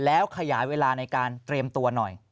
แล้วขยายเวลาในการเตรียมตัวหน่อย